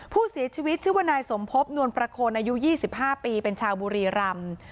ผู้เสียชีวิตชื่อว่านายสมพบนวลประโคนอายุ๒๕ปีเป็นชาวบุรีรำ